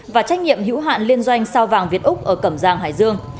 và trách nhiệm hữu hạn liên doanh sao vàng việt úc ở cẩm giang hải dương